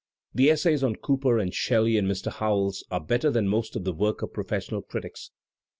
The essays on Cooper and Shelley and Mr. Howells are better than most of the work of professional critics.